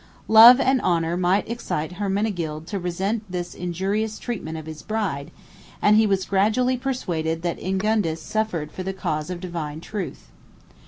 128 Love and honor might excite Hermenegild to resent this injurious treatment of his bride; and he was gradually persuaded that Ingundis suffered for the cause of divine truth.